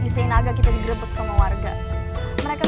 saya tidak mau cari gara gara